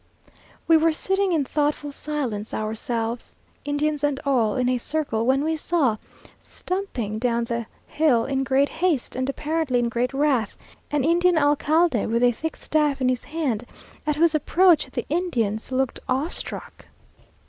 We were sitting in thoughtful silence, ourselves, Indians and all, in a circle, when we saw, stumping down the hill, in great haste, and apparently in great wrath, an Indian alcalde, with a thick staff in his hand, at whose approach the Indians looked awe struck.